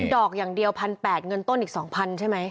ดอกอย่างเดียวพันแปดเงินต้นอีกสองพันใช่ไหม